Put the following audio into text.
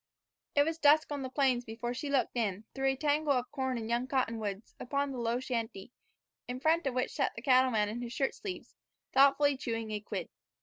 It was dusk on the plains before she looked in, through a tangle of corn and young cottonwoods, upon the low shanty, in front of which sat the cattleman in his shirt sleeves, thoughtfully chewing a quid.